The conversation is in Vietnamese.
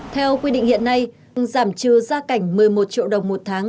theo quy định hiện nay dùng giảm trưa ra cảnh một mươi một triệu đồng một tháng